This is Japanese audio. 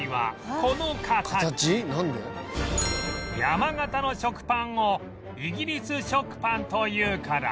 山形の食パンをイギリス食パンというから